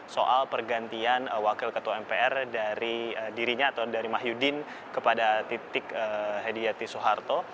soal pergantian wakil ketua mpr dari dirinya atau dari mahyudin kepada titik hediyati soeharto